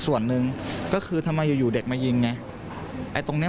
ส่วนหนึ่งก็คือทำไมอยู่อยู่เด็กมายิงไงไอ้ตรงเนี้ย